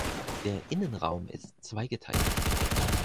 Der Innenraum ist zweigeteilt.